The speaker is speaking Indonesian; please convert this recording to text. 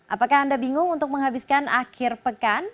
apakah anda bingung untuk menghabiskan akhir pekan